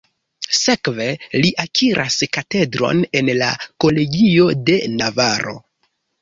Sekve, li akiras katedron en la Kolegio de Navaro.